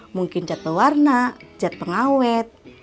mungkin cat pewarna jat pengawet